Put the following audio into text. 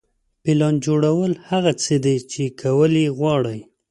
پلان جوړول هغه څه دي چې کول یې غواړئ.